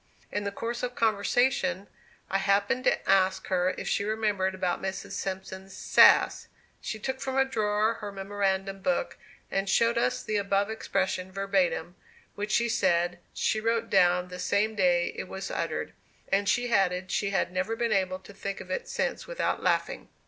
In the course of conversation, I happened to ask her if she remembered about Mrs. Simpson's "sass." She took from a drawer her memorandum book, and showed us the above expression verbatim, which, she said, she wrote down the same day it was uttered; and she added she had never been able to think of it since without laughing.